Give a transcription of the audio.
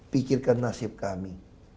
pikirkan nasib kami